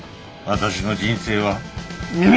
私の人生は醜い！